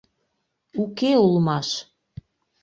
Уке улмаш...